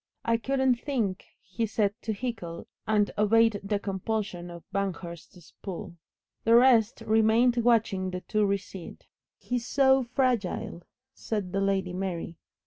"I couldn't think " he said to Hickle, and obeyed the compulsion of Banghurst's pull. The rest remained watching the two recede. "He is so fragile," said the Lady Mary.